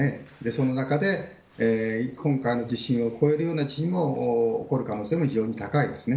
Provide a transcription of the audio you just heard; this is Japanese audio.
その中で今回の地震を越えるような地震も起こる可能性も非常に高いです。